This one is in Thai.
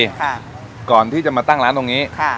ค่ะก่อนที่จะมาตั้งร้านตรงนี้ค่ะ